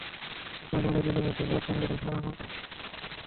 প্রোফাইলে ওদের দুজনের ছবি একসঙ্গে দেখলে আমার কেমন একটা চাপা কষ্ট হয়।